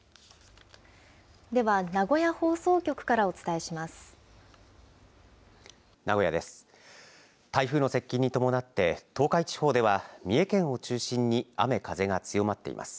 では名古屋放送局からお伝えします。